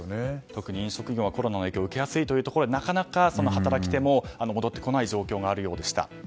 特に飲食業はコロナの影響を受けやすいのでなかなか働き手も戻ってこない状況があるようでした。